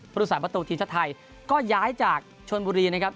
ผู้โดยสารประตูทีมชาติไทยก็ย้ายจากชนบุรีนะครับ